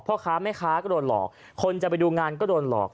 พ่อค้าแม่ค้าก็โดนหลอกคนจะไปดูงานก็โดนหลอก